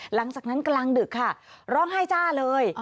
หลังจากนั้นกลางดึกค่ะร้องไห้จ้าเลย